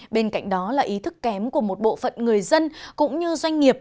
bên cạnh đó là ý thức kém của một bộ phận người dân cũng như doanh nghiệp